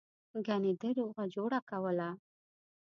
گني ده روغه جوړه کوله.